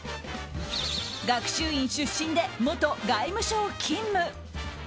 学習院出身で元外務省勤務。